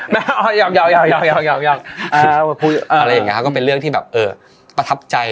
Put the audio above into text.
มันก็เป็นเรื่องที่แบบประทับใจ